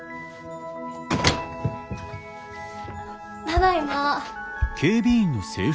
ただいま。